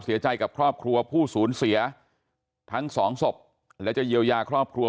เสียใจกับครอบครัวผู้สูญเสียทั้งสองศพและจะเยียวยาครอบครัว